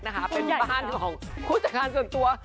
เป็นบ้านของผู้จัดการส่วนตัว